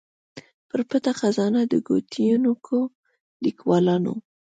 پر پټه خزانه د ګوتنیونکو ليکوالانو